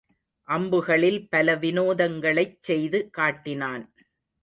அம்புகளில் பல வினோதங்களைச் செய்து காட்டினான்.